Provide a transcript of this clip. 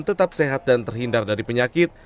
tetap sehat dan terhindar dari penyakit